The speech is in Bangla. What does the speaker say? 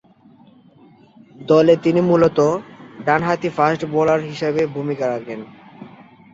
দলে তিনি মূলতঃ ডানহাতি ফাস্ট বোলার হিসেবে ভূমিকা রাখেন।